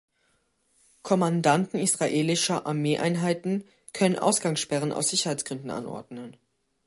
Kommandanten israelischer Armeeeinheiten können Ausgangssperren aus Sicherheitsgründen anordnen.